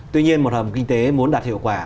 tuy nhiên một hầm kinh tế muốn đạt hiệu quả